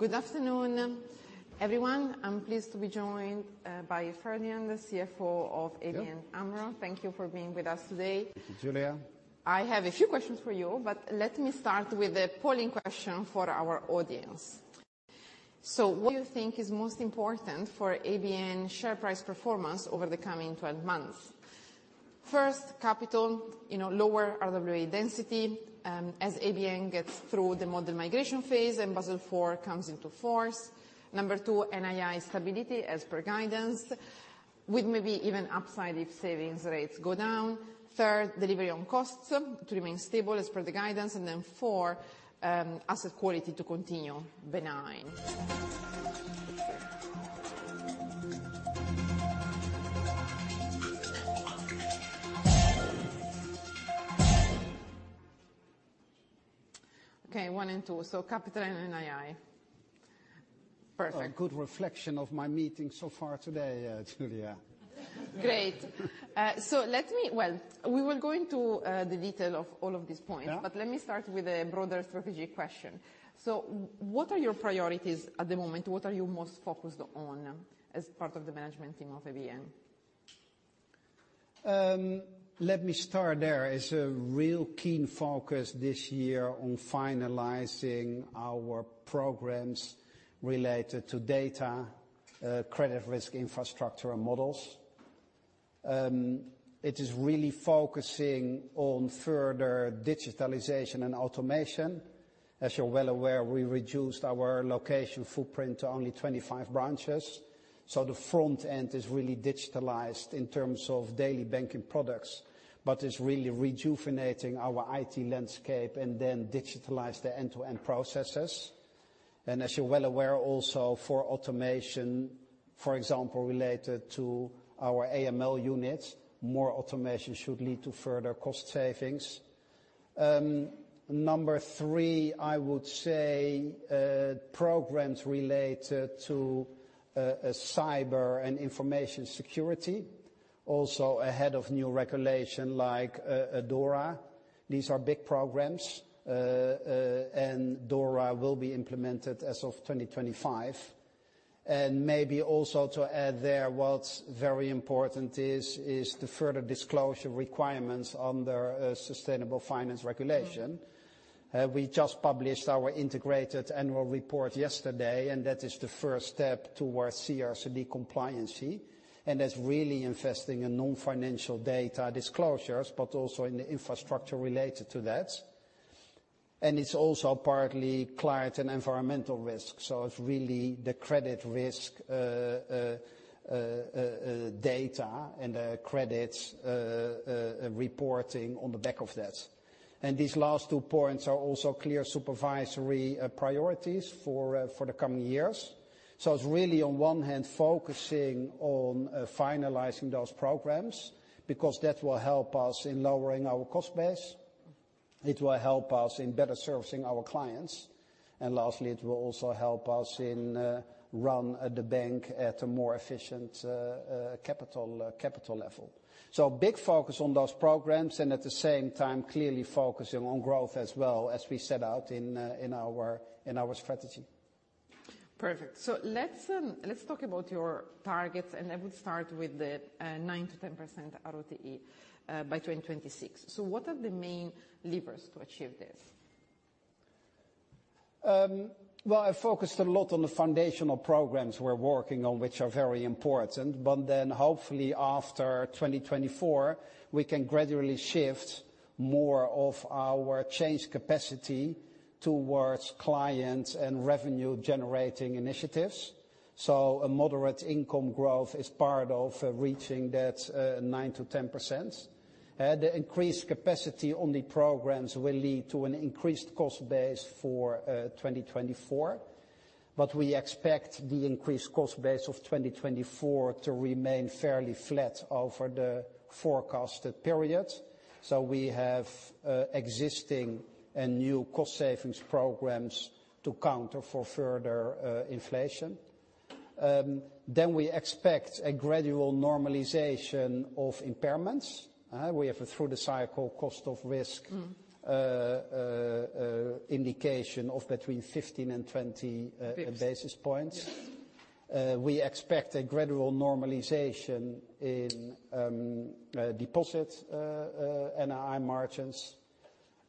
Good afternoon, everyone. I'm pleased to be joined by Ferdinand, the CFO of ABN AMRO. Thank you for being with us today. Thank you, Julia. I have a few questions for you, but let me start with a polling question for our audience. So what do you think is most important for ABN's share price performance over the coming 12 months? First, capital, you know, lower RWA density, as ABN gets through the model migration phase and Basel IV comes into force. Number two, NII stability as per guidance, with maybe even upside if savings rates go down. Third, delivery on costs to remain stable as per the guidance. And then four, asset quality to continue benign. Okay, one and two. So capital and NII. Perfect. A good reflection of my meeting so far today, Julia. Great. So let me well, we were going to the detail of all of these points. Yeah. Let me start with a broader strategy question. What are your priorities at the moment? What are you most focused on as part of the management team of ABN? Let me start there. It's a real keen focus this year on finalizing our programs related to data, credit risk infrastructure, and models. It is really focusing on further digitalization and automation. As you're well aware, we reduced our location footprint to only 25 branches. So the front end is really digitalized in terms of daily banking products, but it's really rejuvenating our IT landscape and then digitalize the end-to-end processes. And as you're well aware, also for automation, for example, related to our AML units, more automation should lead to further cost savings. Number three, I would say, programs related to cyber and information security. Also ahead of new regulation like DORA. These are big programs, and DORA will be implemented as of 2025. And maybe also to add there, what's very important is the further disclosure requirements under sustainable finance regulation. We just published our integrated annual report yesterday, and that is the first step towards CSRD compliance. And that's really investing in non-financial data disclosures, but also in the infrastructure related to that. And it's also partly client and environmental risk. So it's really the credit risk, data and the credit, reporting on the back of that. And these last two points are also clear supervisory priorities for the coming years. So it's really on one hand focusing on finalizing those programs because that will help us in lowering our cost base. It will help us in better servicing our clients. And lastly, it will also help us in running the bank at a more efficient capital level. So big focus on those programs and at the same time clearly focusing on growth as well as we set out in our strategy. Perfect. So let's talk about your targets, and I would start with the 9%-10% ROTE by 2026. So what are the main levers to achieve this? Well, I focused a lot on the foundational programs we're working on, which are very important. But then hopefully after 2024, we can gradually shift more of our change capacity towards client and revenue-generating initiatives. So a moderate income growth is part of reaching that 9%-10%. The increased capacity on the programs will lead to an increased cost base for 2024. But we expect the increased cost base of 2024 to remain fairly flat over the forecasted period. So we have existing and new cost savings programs to counter for further inflation. Then we expect a gradual normalization of impairments. We have a through-the-cycle cost of risk indication of between 15 and 20 basis points. We expect a gradual normalization in deposit NII margins.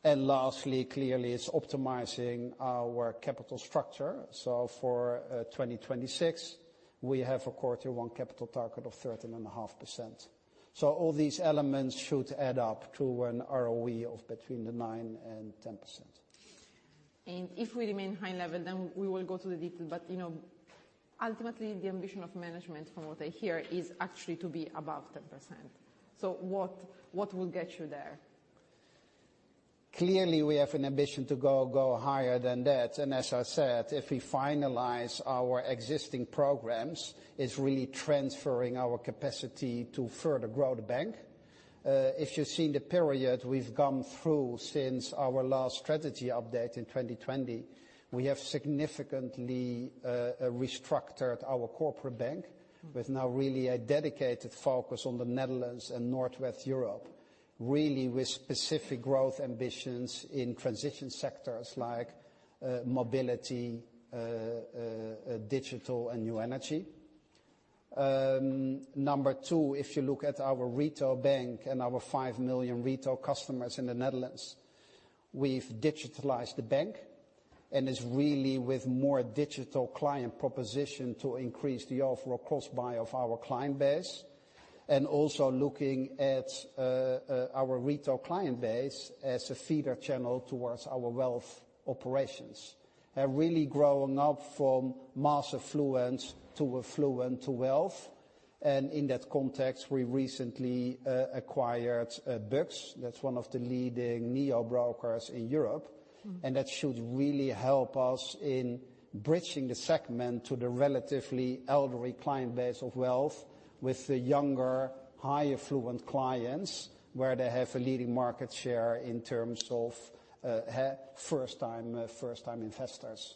And lastly, clearly it's optimizing our capital structure. So for 2026, we have a quarter one capital target of 13.5%. So all these elements should add up to an ROE of between 9% and 10%. If we remain high level, then we will go to the detail. You know, ultimately the ambition of management from what I hear is actually to be above 10%. So what, what will get you there? Clearly we have an ambition to go, go higher than that. And as I said, if we finalize our existing programs, it's really transferring our capacity to further grow the bank. If you've seen the period we've gone through since our last strategy update in 2020, we have significantly restructured our corporate bank with now really a dedicated focus on the Netherlands and Northwest Europe, really with specific growth ambitions in transition sectors like mobility, digital, and new energy. Number two, if you look at our retail bank and our 5 million retail customers in the Netherlands, we've digitalized the bank and it's really with more digital client proposition to increase the overall cross-buy of our client base and also looking at our retail client base as a feeder channel towards our wealth operations, really growing up from mass affluence to affluent to wealth. And in that context, we recently acquired BUX. That's one of the leading neo brokers in Europe. And that should really help us in bridging the segment to the relatively elderly client base of wealth with the younger, higher affluent clients where they have a leading market share in terms of first-time investors.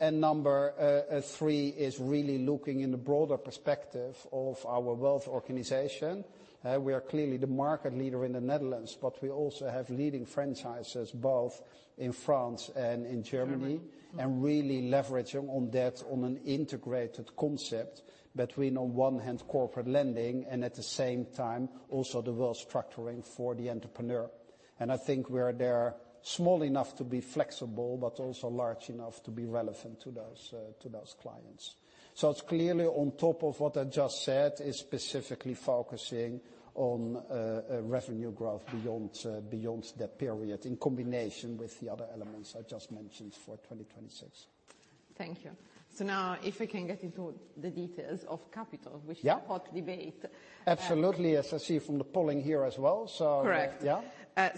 And number three is really looking in the broader perspective of our wealth organization. We are clearly the market leader in the Netherlands, but we also have leading franchises both in France and in Germany and really leveraging on that on an integrated concept between on one hand corporate lending and at the same time also the wealth structuring for the entrepreneur. And I think we are there small enough to be flexible but also large enough to be relevant to those clients. It's clearly on top of what I just said, is specifically focusing on revenue growth beyond, beyond that period in combination with the other elements I just mentioned for 2026. Thank you. Now if we can get into the details of capital, which is a hot debate. Yeah. Absolutely. As I see from the polling here as well. So. Correct. Yeah.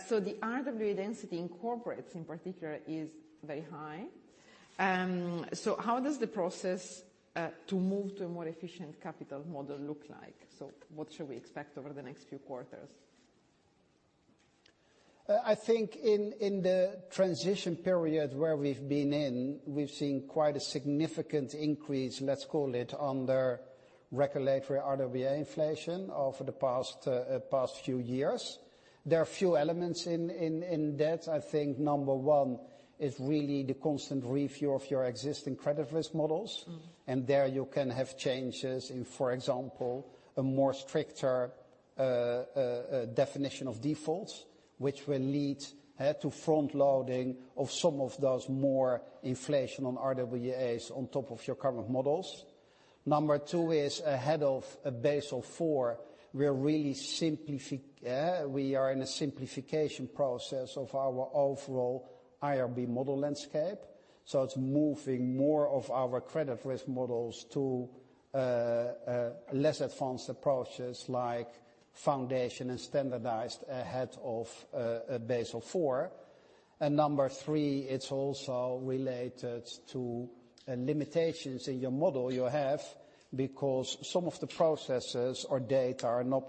So the RWA density in corporates in particular is very high. So how does the process to move to a more efficient capital model look like? So what should we expect over the next few quarters? I think in the transition period where we've been in, we've seen quite a significant increase, let's call it, on the regulatory RWA inflation over the past few years. There are few elements in that. I think number one is really the constant review of your existing credit risk models. And there you can have changes in, for example, a more stricter definition of defaults, which will lead to front-loading of some of those more inflation on RWAs on top of your current models. Number two is ahead of Basel IV, we're really in a simplification process of our overall IRB model landscape. So it's moving more of our credit risk models to less advanced approaches like foundation and standardized ahead of Basel IV. Number three, it's also related to limitations in your model you have because some of the processes or data are not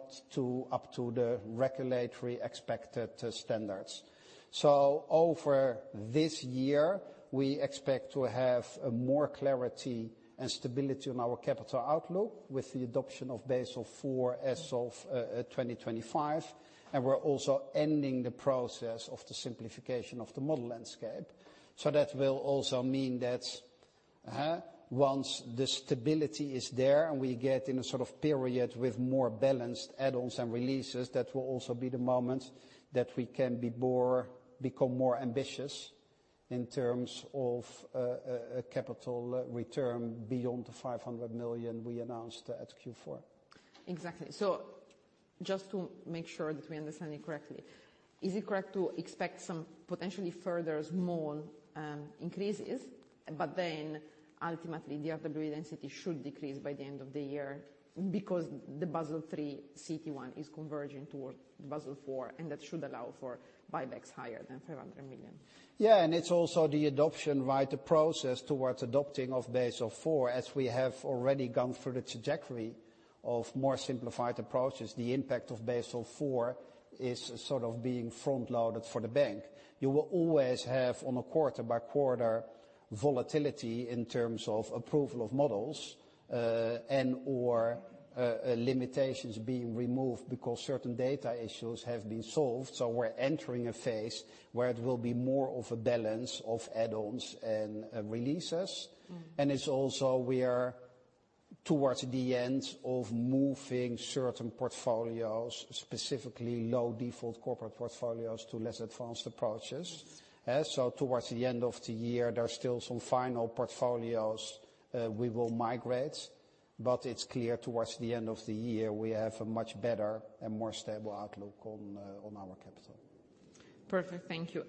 up to the regulatory expected standards. Over this year, we expect to have more clarity and stability on our capital outlook with the adoption of Basel IV as of 2025. We're also ending the process of the simplification of the model landscape. That will also mean that once the stability is there and we get in a sort of period with more balanced add-ons and releases, that will also be the moment that we can become more ambitious in terms of capital return beyond the 500 million we announced at Q4. Exactly. So just to make sure that we understand it correctly, is it correct to expect some potentially further small increases, but then ultimately the RWA density should decrease by the end of the year because the Basel III CET1 is converging towards Basel IV, and that should allow for buybacks higher than 500 million? Yeah. And it's also the adoption, right, the process towards adopting of Basel IV. As we have already gone through the trajectory of more simplified approaches, the impact of Basel IV is sort of being front-loaded for the bank. You will always have on a quarter-by-quarter volatility in terms of approval of models, and/or limitations being removed because certain data issues have been solved. So we're entering a phase where it will be more of a balance of add-ons and releases. And it's also we are towards the end of moving certain portfolios, specifically low default corporate portfolios, to less advanced approaches. So towards the end of the year, there are still some final portfolios we will migrate. But it's clear towards the end of the year we have a much better and more stable outlook on our capital. Perfect. Thank you.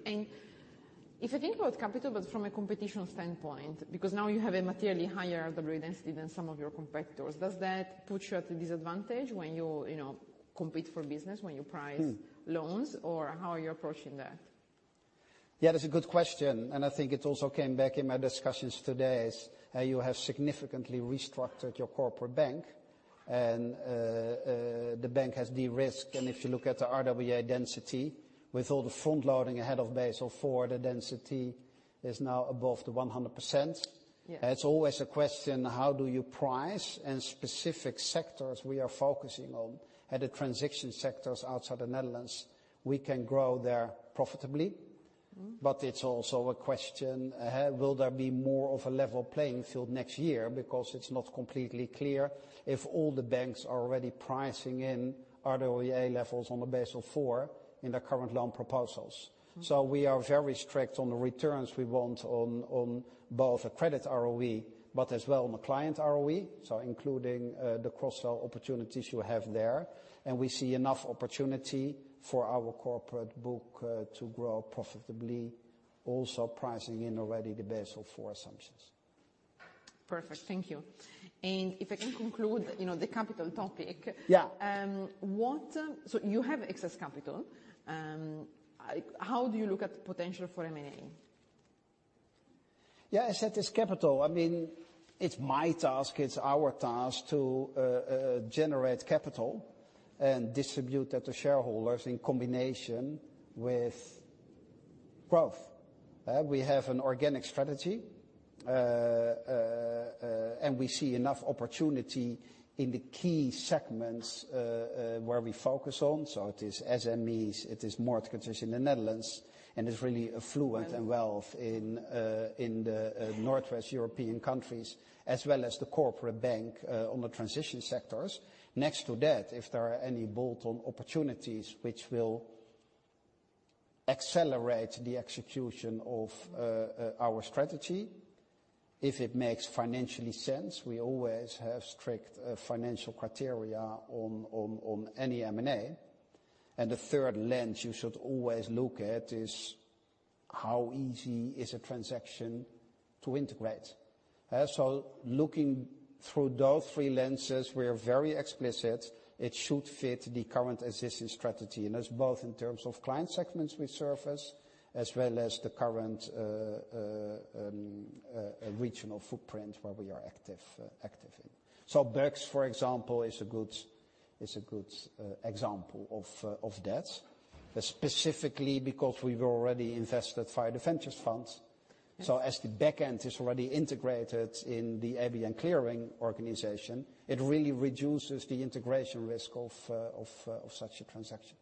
If I think about capital, but from a competition standpoint, because now you have a materially higher RWA density than some of your competitors, does that put you at a disadvantage when you, you know, compete for business when you price loans? Or how are you approaching that? Yeah. That's a good question. And I think it also came back in my discussions today is, you have significantly restructured your corporate bank. And, the bank has de-risked. And if you look at the RWA density with all the front-loading ahead of Basel IV, the density is now above the 100%. It's always a question how do you price and specific sectors we are focusing on at the transition sectors outside the Netherlands, we can grow there profitably. But it's also a question, will there be more of a level playing field next year because it's not completely clear if all the banks are already pricing in RWA levels on the Basel IV in their current loan proposals. So we are very strict on the returns we want on both a credit ROE but as well on a client ROE, so including the cross-sell opportunities you have there. We see enough opportunity for our corporate book to grow profitably also pricing in already the Basel IV assumptions. Perfect. Thank you. If I can conclude, you know, the capital topic. Yeah. What? So you have excess capital. How do you look at the potential for M&A? Yeah. As I said, it's capital. I mean, it's my task. It's our task to generate capital and distribute that to shareholders in combination with growth. We have an organic strategy. And we see enough opportunity in the key segments where we focus on. So it is SMEs. It is mortgages in the Netherlands. And it's really affluent and wealth in the Northwest European countries as well as the corporate bank on the transition sectors. Next to that, if there are any bolt-on opportunities which will accelerate the execution of our strategy, if it makes financially sense, we always have strict financial criteria on any M&A. And the third lens you should always look at is how easy is a transaction to integrate. So looking through those three lenses, we are very explicit it should fit the current existing strategy. That's both in terms of client segments we service as well as the current, regional footprint where we are active in. BUX, for example, is a good example of that, specifically because we've already invested via the ventures funds. So as the back end is already integrated in the ABN AMRO Clearing organization, it really reduces the integration risk of such a transaction.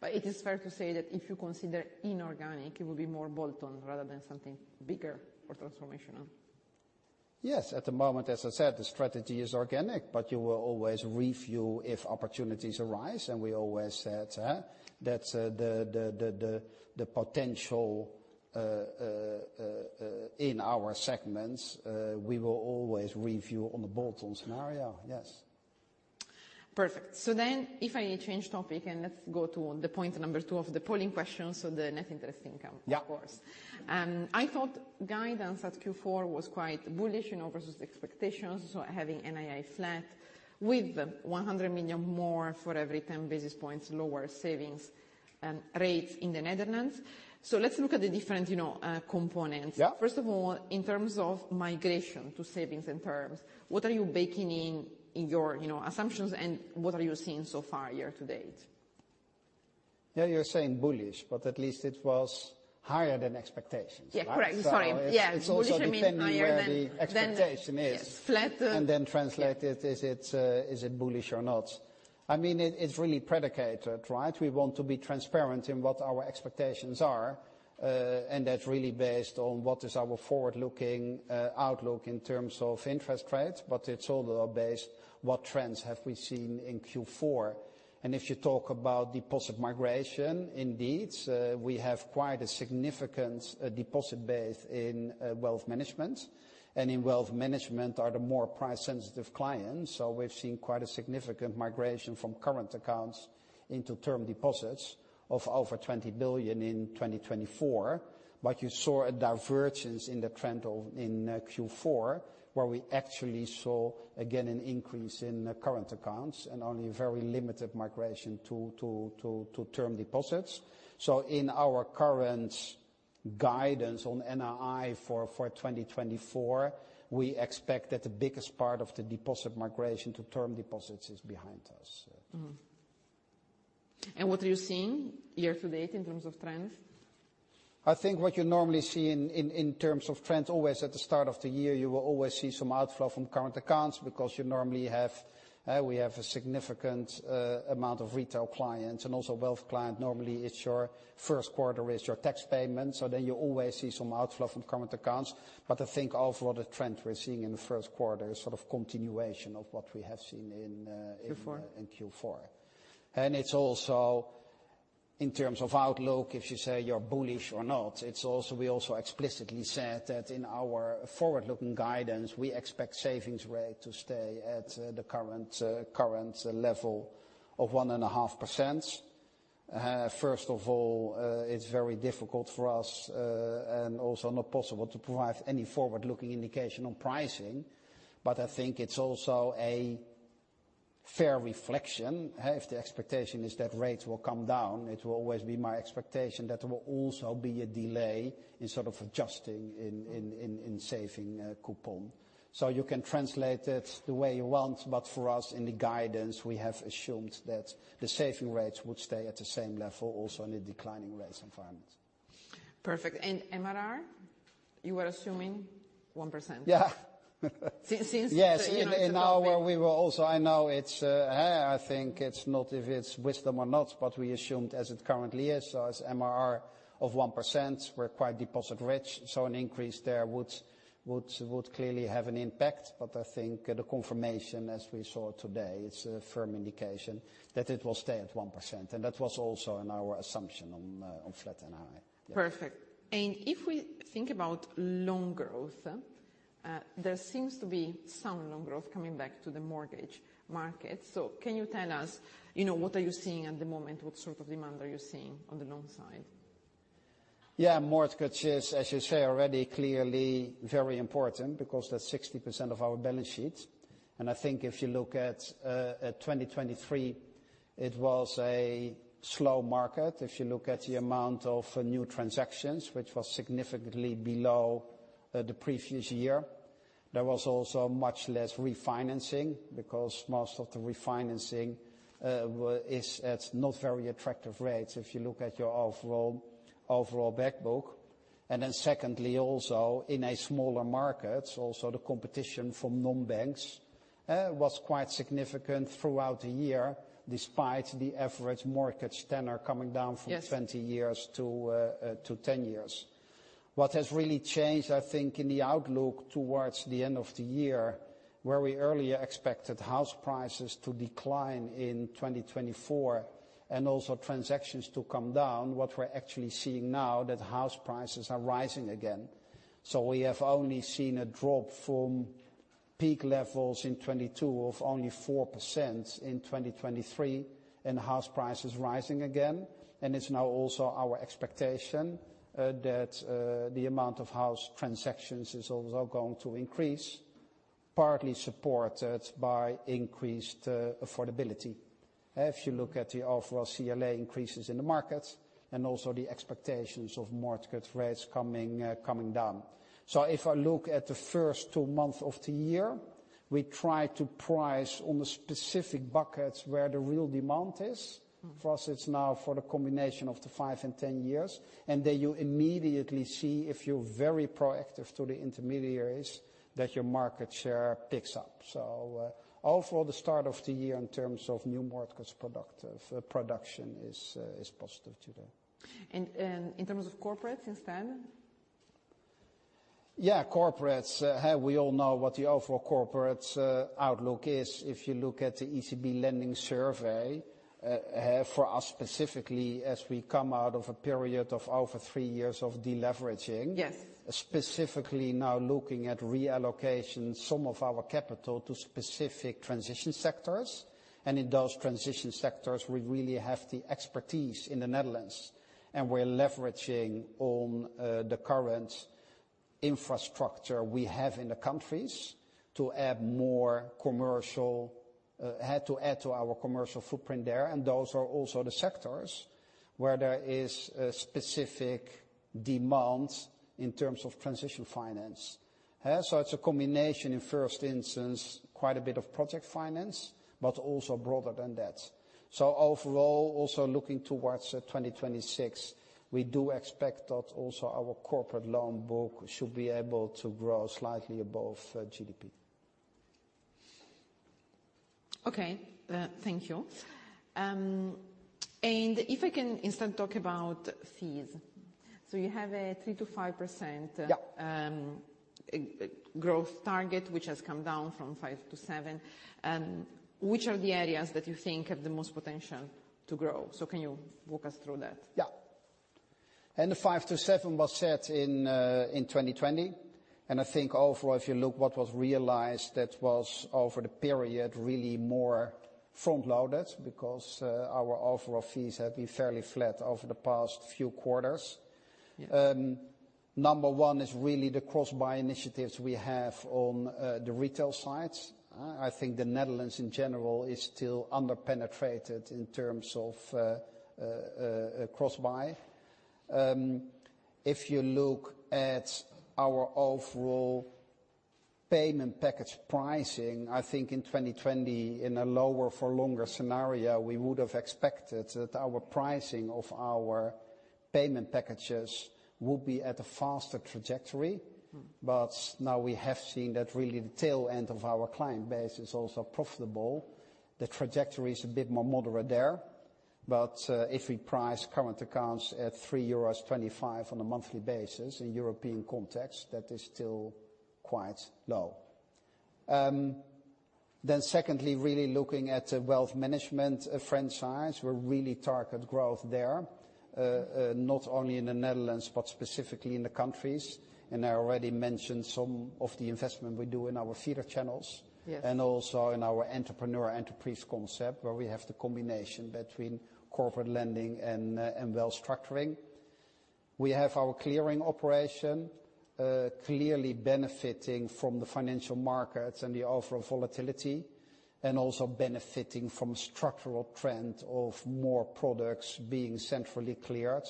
But it is fair to say that if you consider inorganic, it will be more bolt-on rather than something bigger or transformational? Yes. At the moment, as I said, the strategy is organic, but you will always review if opportunities arise. And we always said, that's the potential, in our segments, we will always review on the bolt-on scenario. Yes. Perfect. So then if I change topic and let's go to the point two of the polling questions, so the net interest income, of course. I thought guidance at Q4 was quite bullish, you know, versus the expectations, so having NII flat with 100 million more for every 10 basis points lower savings and rates in the Netherlands. So let's look at the different, you know, components. First of all, in terms of migration to savings and terms, what are you baking in, in your, you know, assumptions and what are you seeing so far year to date? Yeah. You're saying bullish, but at least it was higher than expectations. Right? Yeah. Correct. Sorry. Yeah. Bullish means higher than expectation is. Yes. Flat. Then translate it, is it bullish or not? I mean, it's really predicated, right? We want to be transparent in what our expectations are. And that's really based on what is our forward-looking outlook in terms of interest rates. But it's also based what trends have we seen in Q4. And if you talk about deposit migration, indeed, we have quite a significant deposit base in wealth management. And in wealth management are the more price-sensitive clients. So we've seen quite a significant migration from current accounts into term deposits of over 20 billion in 2024. But you saw a divergence in the trend in Q4 where we actually saw again an increase in current accounts and only a very limited migration to term deposits. In our current guidance on NRI for 2024, we expect that the biggest part of the deposit migration to term deposits is behind us. What are you seeing year to date in terms of trends? I think what you normally see in terms of trends, always at the start of the year, you will always see some outflow from current accounts because we have a significant amount of retail clients. And also wealth client, normally it's your first quarter is your tax payments. So then you always see some outflow from current accounts. But I think overall the trend we're seeing in the first quarter is sort of continuation of what we have seen in. Q4. In Q4. It's also in terms of outlook, if you say you're bullish or not. It's also, we also explicitly said that in our forward-looking guidance, we expect the savings rate to stay at the current level of 1.5%. First of all, it's very difficult for us, and also not possible to provide any forward-looking indication on pricing. But I think it's also a fair reflection. If the expectation is that rates will come down, it will always be my expectation that there will also be a delay in sort of adjusting the savings coupon. So you can translate it the way you want, but for us in the guidance, we have assumed that the savings rates would stay at the same level also in a declining rates environment. Perfect. MRR, you were assuming 1%? Yeah. Since the. Yeah. In our we will also I know it's, I think it's not if it's wisdom or not, but we assumed as it currently is. So as MRR of 1%, we're quite deposit-rich. So an increase there would clearly have an impact. But I think the confirmation as we saw today, it's a firm indication that it will stay at 1%. And that was also in our assumption on flat NII. Perfect. And if we think about loan growth, there seems to be some loan growth coming back to the mortgage market. So can you tell us, you know, what are you seeing at the moment? What sort of demand are you seeing on the loan side? Yeah. Mortgage is, as you say already, clearly very important because that's 60% of our balance sheet. And I think if you look at 2023, it was a slow market. If you look at the amount of new transactions, which was significantly below the previous year, there was also much less refinancing because most of the refinancing was at not very attractive rates if you look at your overall backbook. And then secondly, also in a smaller market, also the competition from non-banks was quite significant throughout the year despite the average mortgage tenor coming down from 20 years to 10 years. What has really changed, I think, in the outlook towards the end of the year where we earlier expected house prices to decline in 2024 and also transactions to come down, what we're actually seeing now that house prices are rising again. So we have only seen a drop from peak levels in 2022 of only 4% in 2023 and house prices rising again. It's now also our expectation that the amount of house transactions is also going to increase, partly supported by increased affordability. If you look at the overall CLA increases in the markets and also the expectations of mortgage rates coming, coming down. So if I look at the first two months of the year, we try to price on the specific buckets where the real demand is. For us, it's now for the combination of the five and 10 years. And then you immediately see if you're very proactive to the intermediaries that your market share picks up. So, overall the start of the year in terms of new mortgage productive production is, is positive today. In terms of corporates instead? Yeah. Corporates, we all know what the overall corporate outlook is. If you look at the ECB lending survey, for us specifically as we come out of a period of over three years of deleveraging. Yes. Specifically now looking at reallocating some of our capital to specific transition sectors. In those transition sectors, we really have the expertise in the Netherlands. We're leveraging on the current infrastructure we have in the countries to add more commercial, to add to our commercial footprint there. Those are also the sectors where there is a specific demand in terms of transition finance. So it's a combination in first instance quite a bit of project finance but also broader than that. Overall, also looking towards 2026, we do expect that also our corporate loan book should be able to grow slightly above GDP. Okay. Thank you. And if I can instead talk about fees. So you have a 3%-5%. Yeah. growth target which has come down from 5% to 7%. Which are the areas that you think have the most potential to grow? So can you walk us through that? Yeah. The 5%-7% was set in 2020. I think overall if you look what was realized, that was over the period really more front-loaded because our overall fees have been fairly flat over the past few quarters. Number one is really the cross-buy initiatives we have on the retail side. I think the Netherlands in general is still under-penetrated in terms of cross-buy. If you look at our overall payment package pricing, I think in 2020 in a lower for longer scenario, we would have expected that our pricing of our payment packages would be at a faster trajectory. But now we have seen that really the tail end of our client base is also profitable. The trajectory is a bit more moderate there. But if we price current accounts at 3.25 euros on a monthly basis in European context, that is still quite low. Then, secondly, really looking at the wealth management franchise, we're really target growth there, not only in the Netherlands but specifically in the countries. And I already mentioned some of the investment we do in our feeder channels. Yes. And also in our entrepreneur-enterprise concept where we have the combination between corporate lending and, and wealth structuring. We have our clearing operation, clearly benefiting from the financial markets and the overall volatility and also benefiting from a structural trend of more products being centrally cleared.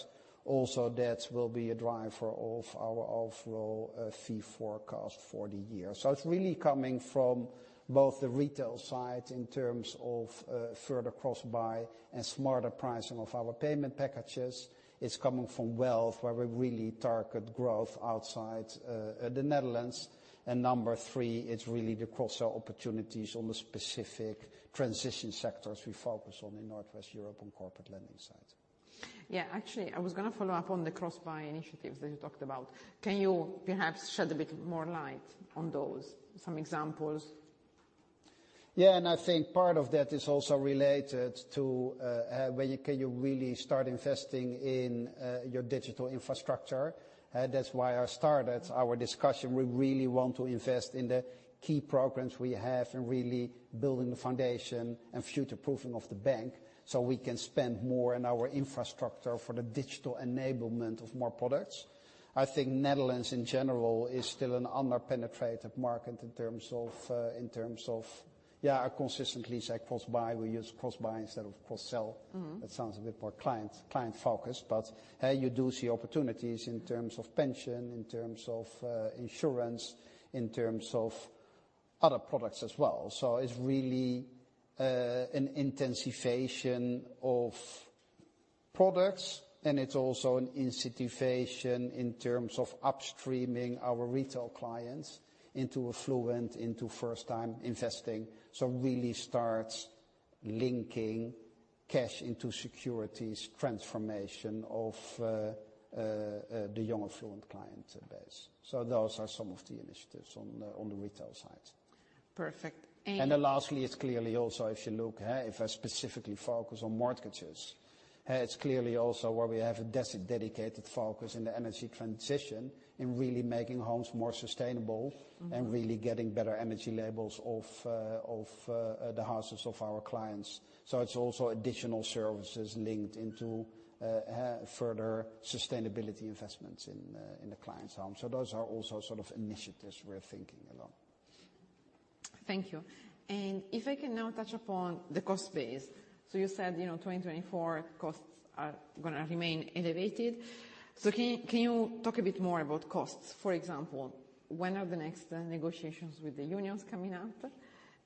Also that will be a driver of our overall fee forecast for the year. So it's really coming from both the retail side in terms of further cross-buy and smarter pricing of our payment packages. It's coming from wealth where we really target growth outside the Netherlands. And number three, it's really the cross-sell opportunities on the specific transition sectors we focus on in Northwest Europe on corporate lending side. Yeah. Actually, I was going to follow up on the cross-buy initiatives that you talked about. Can you perhaps shed a bit more light on those? Some examples? Yeah. And I think part of that is also related to when you can really start investing in your digital infrastructure. That's why I started our discussion. We really want to invest in the key programs we have and really building the foundation and future-proofing of the bank so we can spend more in our infrastructure for the digital enablement of more products. I think Netherlands in general is still an under-penetrated market in terms of, in terms of, yeah, I consistently say cross-buy. We use cross-buy instead of cross-sell. That sounds a bit more client, client-focused. But you do see opportunities in terms of pension, in terms of insurance, in terms of other products as well. So it's really an intensification of products. And it's also an incentivization in terms of upstreaming our retail clients into a Affluent, into first-time investing. So, really starts linking cash into securities transformation of the younger affluent client base. So those are some of the initiatives on the retail side. Perfect. And. And then lastly, it's clearly also if you look, if I specifically focus on mortgages, it's clearly also where we have a dedicated focus in the energy transition in really making homes more sustainable and really getting better energy labels of the houses of our clients. So it's also additional services linked into further sustainability investments in the client's homes. So those are also sort of initiatives we're thinking along. Thank you. And if I can now touch upon the cost base. So you said, you know, 2024 costs are going to remain elevated. So can you talk a bit more about costs? For example, when are the next negotiations with the unions coming up?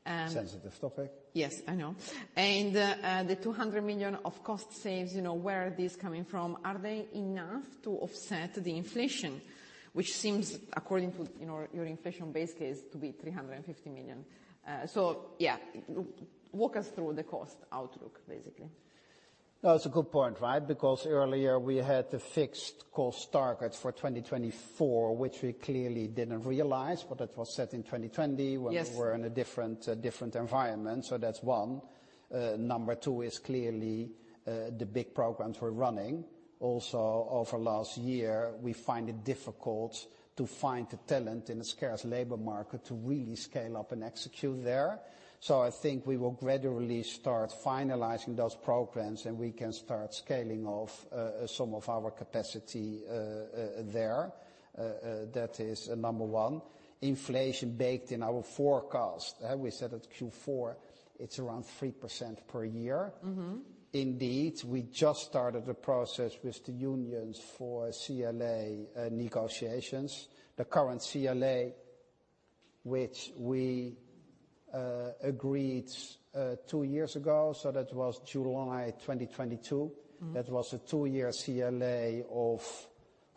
Sensitive topic. Yes. I know. The 200 million of cost saves, you know, where are these coming from? Are they enough to offset the inflation, which seems according to, you know, your inflation base case to be 350 million? Yeah. Walk us through the cost outlook basically. No, it's a good point, right? Because earlier we had the fixed cost targets for 2024, which we clearly didn't realize. But that was set in 2020 when we were in a different, different environment. So that's one. Number two is clearly the big programs we're running. Also over last year, we find it difficult to find the talent in a scarce labor market to really scale up and execute there. So I think we will gradually start finalizing those programs and we can start scaling off some of our capacity there. That is number one. Inflation baked in our forecast; we said at Q4 it's around 3% per year. Mm-hmm. Indeed. We just started the process with the unions for CLA negotiations. The current CLA, which we agreed two years ago, so that was July 2022. That was a two-year CLA of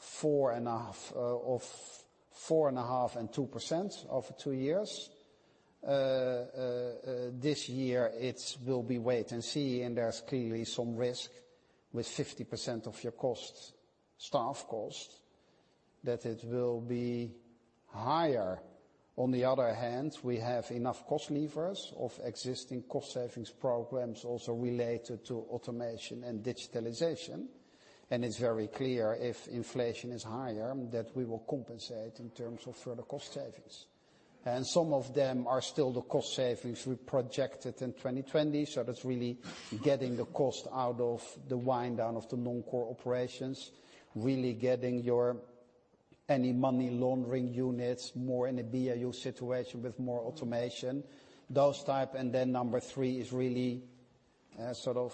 4.5% and 2% over two years. This year it will be wait and see. And there's clearly some risk with 50% of your cost, staff cost, that it will be higher. On the other hand, we have enough cost levers of existing cost-savings programs also related to automation and digitalization. And it's very clear if inflation is higher that we will compensate in terms of further cost savings. And some of them are still the cost savings we projected in 2020. So that's really getting the cost out of the wind down of the non-core operations. Really getting your any money laundering units more in a BAU situation with more automation. Those type. Then number three is really, sort of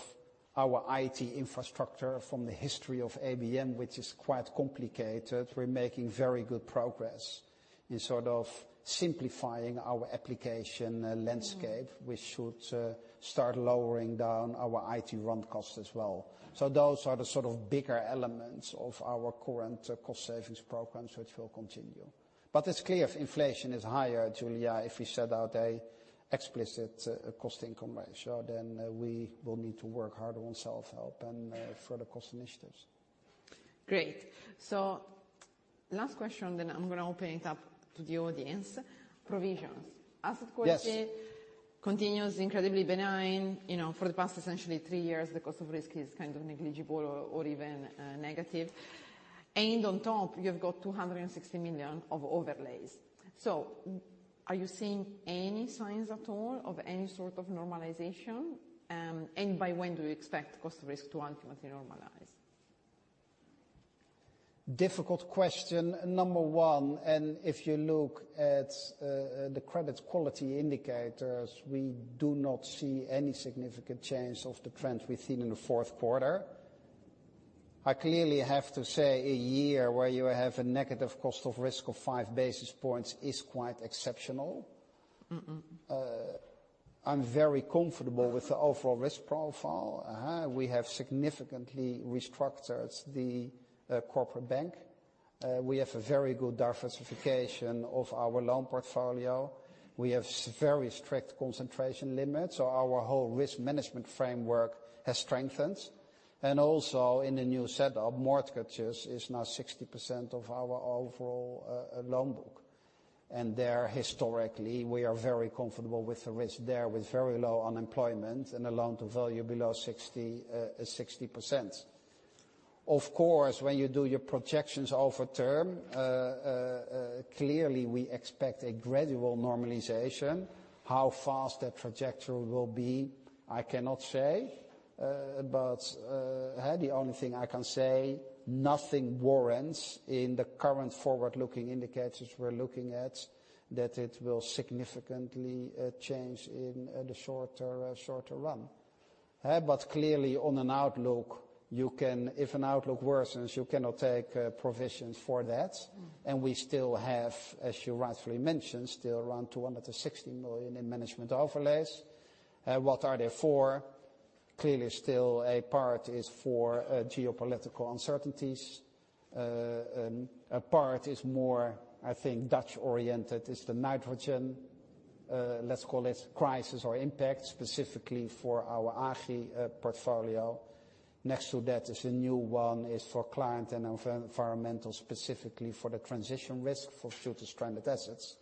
our IT infrastructure from the history of ABN, which is quite complicated. We're making very good progress in sort of simplifying our application landscape. We should start lowering down our IT run costs as well. So those are the sort of bigger elements of our current cost-savings programs which will continue. But it's clear if inflation is higher, Julia, if we set out an explicit cost-income ratio, then we will need to work harder on self-help and further cost initiatives. Great. So last question, then I'm going to open it up to the audience. Provisions. Asset quality. Yes. Continues incredibly benign. You know, for the past essentially three years, the cost of risk is kind of negligible or even negative. And on top, you've got 260 million of overlays. So are you seeing any signs at all of any sort of normalization? And by when do you expect cost of risk to ultimately normalize? Difficult question. Number one, and if you look at, the credit quality indicators, we do not see any significant change of the trend we've seen in the fourth quarter. I clearly have to say a year where you have a negative cost of risk of 5 basis points is quite exceptional. Mm-mm. I'm very comfortable with the overall risk profile. Uh-huh. We have significantly restructured the corporate bank. We have a very good diversification of our loan portfolio. We have very strict concentration limits. So our whole risk management framework has strengthened. And also in the new setup, mortgages is now 60% of our overall loan book. And there historically, we are very comfortable with the risk there with very low unemployment and a loan to value below 60-60%. Of course, when you do your projections over term, clearly we expect a gradual normalization. How fast that trajectory will be, I cannot say. But the only thing I can say, nothing warrants in the current forward-looking indicators we're looking at that it will significantly change in the shorter run. But clearly on an outlook, you can, if an outlook worsens, you cannot take provisions for that. We still have, as you rightfully mentioned, still around 260 million in management overlays. What are they for? Clearly, still a part is for geopolitical uncertainties. And a part is more, I think, Dutch-oriented is the nitrogen, let's call it, crisis or impact specifically for our ACN portfolio. Next to that is a new one is for client environmental specifically for the transition risk for future stranded assets.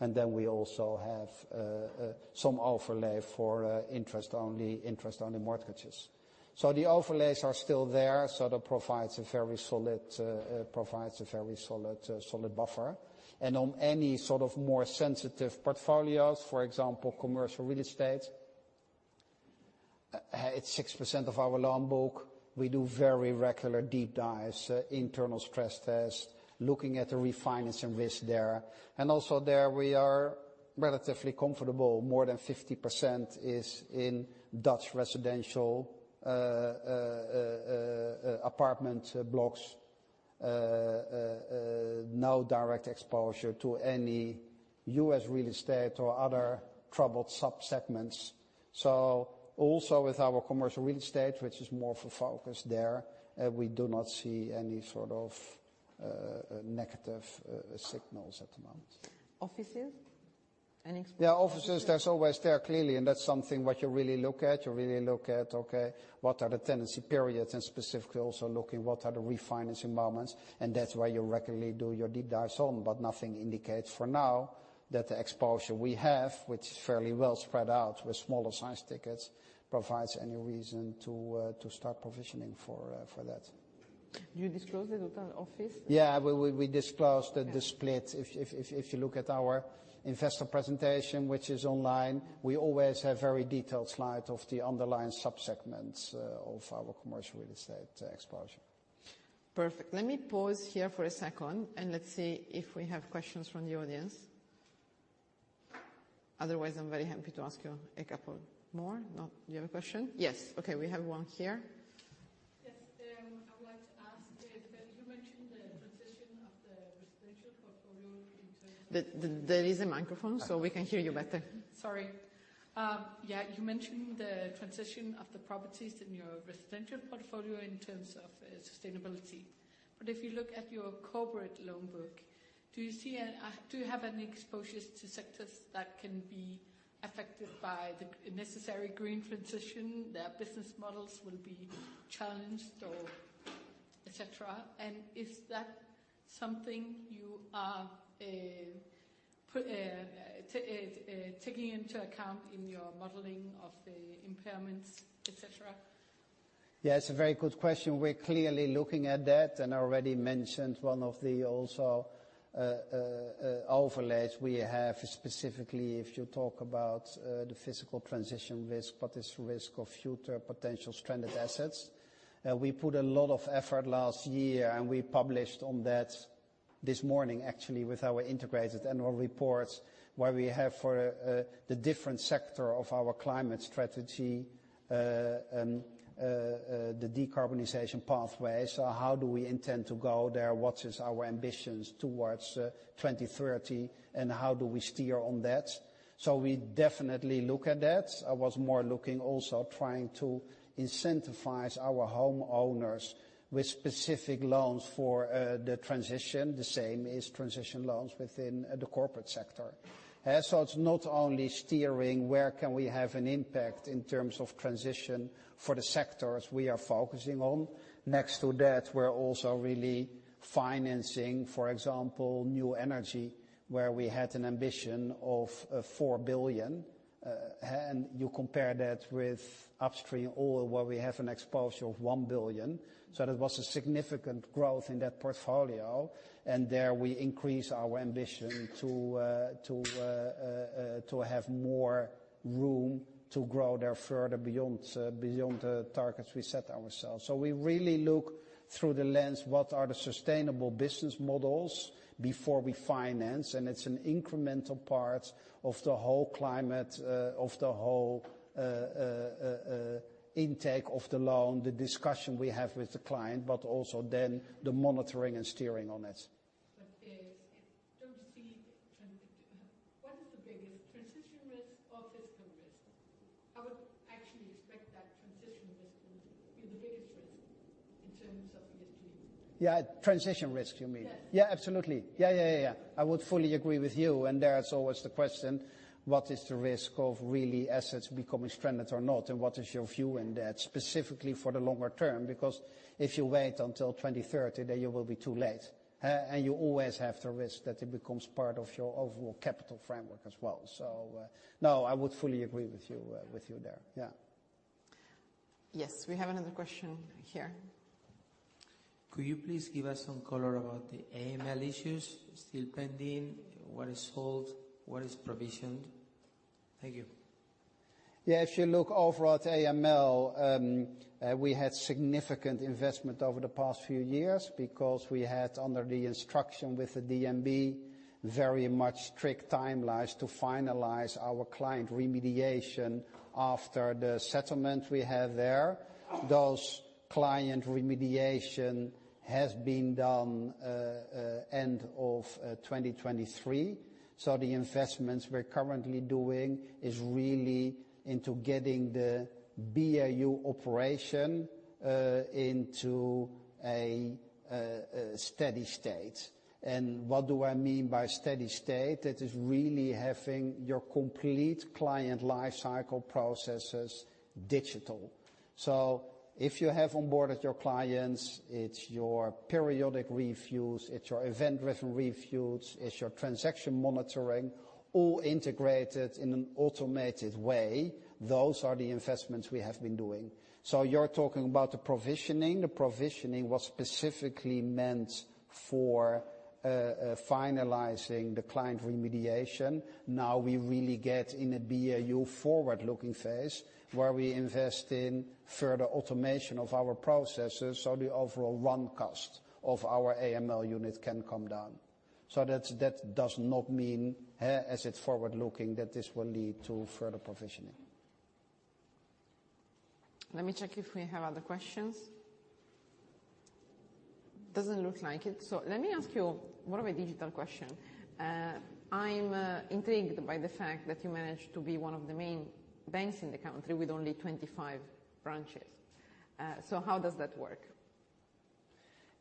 And then we also have some overlay for interest-only, interest-only mortgages. So the overlays are still there. So that provides a very solid, provides a very solid, solid buffer. And on any sort of more sensitive portfolios, for example, commercial real estate, it's 6% of our loan book. We do very regular deep dives, internal stress tests, looking at the refinance and risk there. And also there we are relatively comfortable. More than 50% is in Dutch residential apartment blocks. No direct exposure to any U.S. real estate or other troubled subsegments. So also with our commercial real estate, which is more of a focus there, we do not see any sort of negative signals at the moment. Offices? Any exposure? Yeah. Offices, there's always there clearly. And that's something what you really look at. You really look at, okay, what are the tenancy periods and specifically also looking what are the refinancing moments. And that's where you regularly do your deep dives on. But nothing indicates for now that the exposure we have, which is fairly well spread out with smaller size tickets, provides any reason to start provisioning for that. Do you disclose the total office? Yeah. We disclose the split. If you look at our investor presentation, which is online, we always have very detailed slides of the underlying subsegments of our commercial real estate exposure. Perfect. Let me pause here for a second, and let's see if we have questions from the audience. Otherwise, I'm very happy to ask you a couple more. Now, do you have a question? Yes. Okay. We have one here. Yes. I would like to ask if you mentioned the transition of the residential portfolio in terms of? There is a microphone so we can hear you better. Sorry. Yeah. You mentioned the transition of the properties in your residential portfolio in terms of sustainability. But if you look at your corporate loan book, do you see and do you have any exposures to sectors that can be affected by the necessary green transition? Their business models will be challenged or etc. And is that something you are taking into account in your modeling of the impairments, etc.? Yeah. It's a very good question. We're clearly looking at that and already mentioned one of the also, overlays we have specifically if you talk about, the physical transition risk, but it's risk of future potential stranded assets. We put a lot of effort last year and we published on that this morning actually with our integrated annual reports where we have for, the different sector of our climate strategy, the decarbonization pathway. So how do we intend to go there? What is our ambitions towards, 2030 and how do we steer on that? So we definitely look at that. I was more looking also trying to incentivize our homeowners with specific loans for, the transition. The same is transition loans within, the corporate sector. So it's not only steering where can we have an impact in terms of transition for the sectors we are focusing on. Next to that, we're also really financing, for example, new energy where we had an ambition of 4 billion. And you compare that with upstream oil where we have an exposure of 1 billion. So that was a significant growth in that portfolio. And there we increase our ambition to have more room to grow there further beyond the targets we set ourselves. So we really look through the lens what are the sustainable business models before we finance. And it's an incremental part of the whole climate, of the whole intake of the loan, the discussion we have with the client, but also then the monitoring and steering on it. Don't you see what is the biggest transition risk or physical risk? I would actually expect that transition risk to be the biggest risk in terms of ESG. Yeah. Transition risk you mean? Yes. Yeah. Absolutely. Yeah, yeah, yeah, yeah. I would fully agree with you. And there's always the question what is the risk of really assets becoming stranded or not? And what is your view in that specifically for the longer term? Because if you wait until 2030, then you will be too late. And you always have the risk that it becomes part of your overall capital framework as well. So, no, I would fully agree with you, with you there. Yeah. Yes. We have another question here. Could you please give us some color about the AML issues still pending? What is sold? What is provisioned? Thank you. Yeah. If you look over at AML, we had significant investment over the past few years because we had under the instruction with the DNB very much strict timelines to finalize our client remediation after the settlement we had there. Those client remediation has been done, end of 2023. So the investments we're currently doing is really into getting the BAU operation into a steady state. And what do I mean by steady state? That is really having your complete client lifecycle processes digital. So if you have onboarded your clients, it's your periodic reviews, it's your event-driven reviews, it's your transaction monitoring, all integrated in an automated way, those are the investments we have been doing. So you're talking about the provisioning. The provisioning was specifically meant for finalizing the client remediation. Now we really get in a BAU forward-looking phase where we invest in further automation of our processes so the overall run cost of our AML unit can come down. So that's, that does not mean, as it's forward-looking, that this will lead to further provisioning. Let me check if we have other questions. Doesn't look like it. So let me ask you more of a digital question. I'm intrigued by the fact that you manage to be one of the main banks in the country with only 25 branches. So how does that work?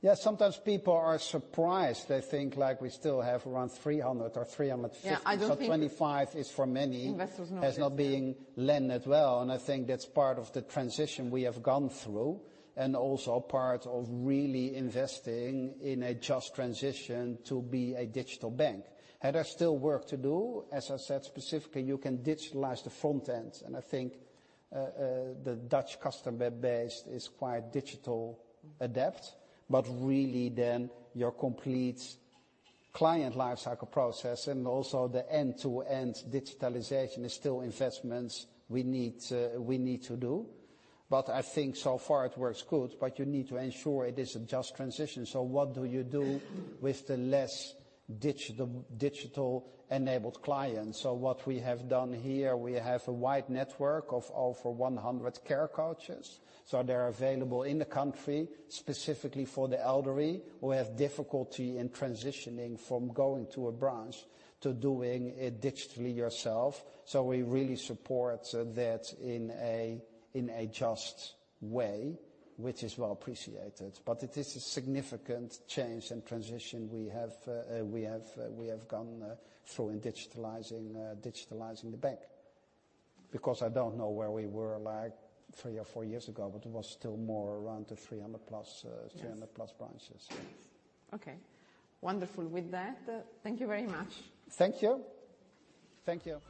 Yeah. Sometimes people are surprised. They think like we still have around 300 or 350. Yeah. I don't think. 25 is for many. Investors know it. Has not been lent as well. I think that's part of the transition we have gone through and also part of really investing in a just transition to be a digital bank. There's still work to do. As I said specifically, you can digitalize the front end. I think the Dutch customer base is quite digital adept. But really then your complete client lifecycle process and also the end-to-end digitalization is still investments we need, we need to do. I think so far it works good. You need to ensure it is a just transition. So what do you do with the less digital-digital-enabled clients? So what we have done here, we have a wide network of over 100 care coaches. So they're available in the country specifically for the elderly who have difficulty in transitioning from going to a branch to doing it digitally yourself. So we really support that in a just way, which is well appreciated. But it is a significant change and transition we have gone through in digitalizing the bank. Because I don't know where we were like three or four years ago, but it was still more around the 300-plus branches. Okay. Wonderful. With that, thank you very much. Thank you. Thank you.